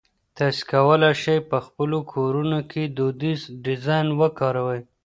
تاسي کولای شئ په خپلو کورونو کې دودیزه ډیزاین وکاروئ.